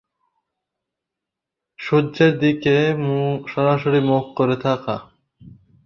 সূর্যের দিকে সরাসরি মুখ করে থাকা পৃথিবী পৃষ্ঠের প্রতি একক ক্ষেত্রফলের উপর সূর্য প্রদত্ত শক্তির পরিমাণকে সৌর ধ্রুবক বলে।